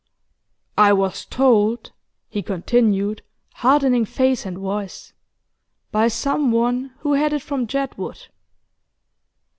'I was told,' he continued, hardening face and voice, 'by someone who had it from Jedwood.